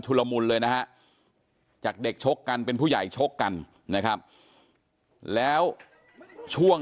ละมุนเลยนะฮะจากเด็กชกกันเป็นผู้ใหญ่ชกกันนะครับแล้วช่วง